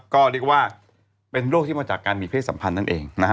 ก็เรียกว่าเป็นโรคที่มาจากการมีเพศสัมพันธ์นั่นเองนะฮะ